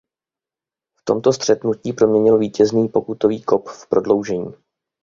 V tomto střetnutí proměnil vítězný pokutový kop v prodloužení.